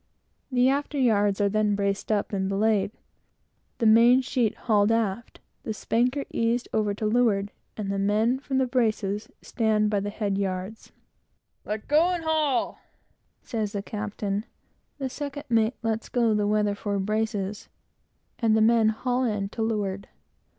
The after yards are then braced up and belayed, the main sheet hauled aft, the spanker eased over to leeward, and the men from the braces stand by the head yards. "Let go and haul!" says the captain; the second mate lets go the weather fore braces, and the men haul in to leeward.